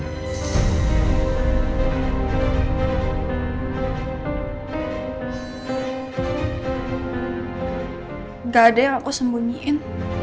tidak ada yang aku sembunyiin